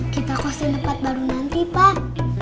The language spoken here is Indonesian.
kita kos di tempat baru nanti pak